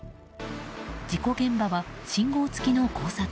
事故現場は信号付きの交差点。